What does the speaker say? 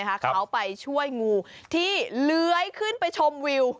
เขาไปช่วยงูที่เลื้อยขึ้นไปชมวิว